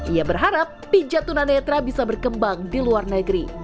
ia berharap pijat tunanetra bisa berkembang di luar negeri